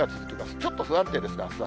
ちょっと不安定ですね、あすは。